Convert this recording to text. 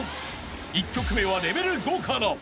［１曲目はレベル５から］